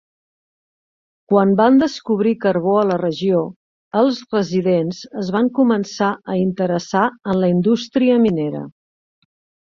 Quan van descobrir carbó a la regió, els residents es van començar a interessar en la indústria minera.